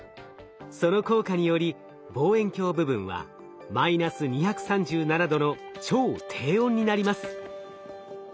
その効果により望遠鏡部分はマイナス２３７℃の超低温になります。